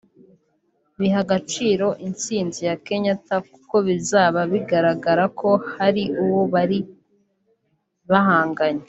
bihe agaciro intsinzi ya Kenyatta kuko bizaba bigaragara ko hari uwo bari bahanganye